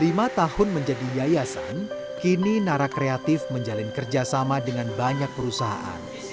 selama lima tahun menjadi yayasan kini nara kreatif menjalin kerjasama dengan banyak perusahaan